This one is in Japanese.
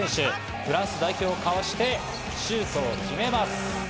フランス代表をかわしてシュートを決めます。